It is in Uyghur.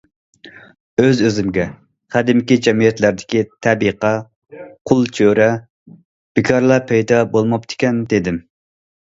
ئۆز ئۆزۈمگە قەدىمكى جەمئىيەتلەردىكى تەبىقە، قۇل- چۆرە بىكارلا پەيدا بولماپتىكەن، دېدىم.